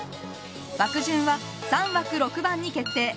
枠順は３枠６番に決定。